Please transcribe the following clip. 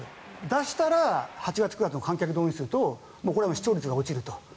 出したら８月、９月の観客動員数とこれは視聴率が落ちると。